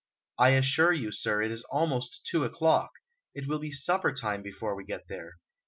"I assure you, sir, it is almost two o'clock; it will be supper time before we get there."